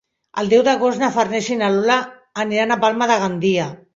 El deu d'agost na Farners i na Lola aniran a Palma de Gandia.